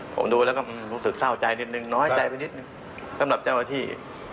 ผมดูแล้วก็รู้สึกเศร้าใจนิดนึงน้อยใจไปนิดนึงสำหรับเจ้าหน้าที่